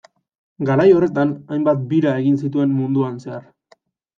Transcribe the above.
Garai horretan, hainbat bira egin zituen munduan zehar.